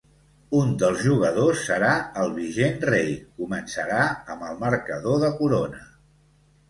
Un dels jugadors serà el vigent rei, començarà amb el marcador de corona.